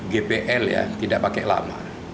gpl ya tidak pakai lama